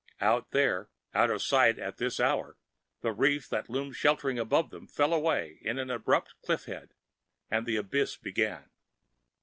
Out there, out of sight at this hour, the reef that loomed sheltering above them fell away in an abrupt cliffhead, and the abyss began.